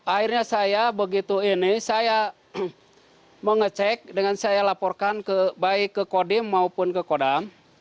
akhirnya saya begitu ini saya mengecek dengan saya laporkan baik ke kodim maupun ke kodam